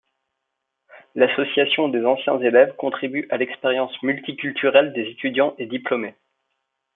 L’association des anciens élèves contribue à l’expérience multiculturelle des étudiants et diplômés.